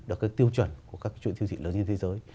được cái tiêu chuẩn của các chuỗi siêu thị lớn trên thế giới